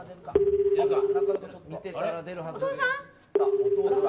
お父さん！